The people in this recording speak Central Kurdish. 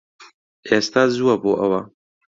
ئێستا زووە بۆ ئەوە